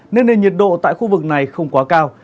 nên nền nhiệt độ tại khu vực này không quá cao